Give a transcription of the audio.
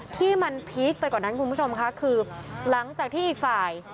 ที่มันพีคไปกว่านั้นคุณผู้ชมค่ะคือหลังจากที่อีกฝ่าย